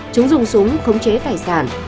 chúng dùng súng khống chế tài sản